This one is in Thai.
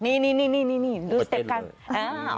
นี่ดูสเต็ปกัน